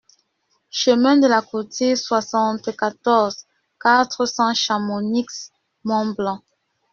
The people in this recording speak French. Chemin de la Coutire, soixante-quatorze, quatre cents Chamonix-Mont-Blanc